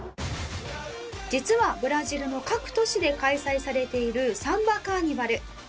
実はブラジルの各都市で開催されているサンバカーニバル。